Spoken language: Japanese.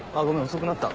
遅くなった。